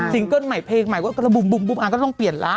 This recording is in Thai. เกิ้ลใหม่เพลงใหม่ก็ระบุมอาร์ก็ต้องเปลี่ยนละ